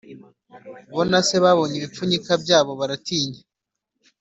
bo na se babonye ibipfunyika byabo baratinya